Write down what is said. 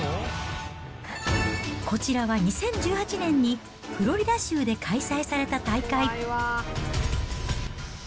こちらは２０１８年に、フロリダ州で開催された大会。